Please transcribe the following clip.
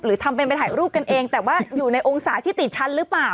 ทำเป็นไปถ่ายรูปกันเองแต่ว่าอยู่ในองศาที่ติดชั้นหรือเปล่า